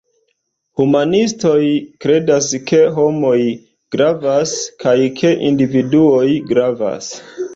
Humanistoj kredas ke homoj gravas, kaj ke individuoj gravas.